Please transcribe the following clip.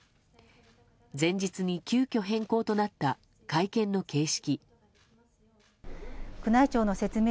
前日に急きょ変更となった会見の形式。